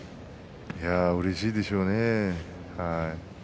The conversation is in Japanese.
うれしいでしょうね。